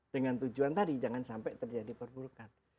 dengan tujuan tadi jangan sampai terjadi perburukan